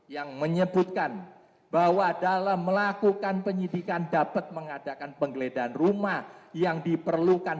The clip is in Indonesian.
yang menyebutkan bahwa dalam melakukan penyidikan dapat mengadakan penggeledahan rumah yang diperlukan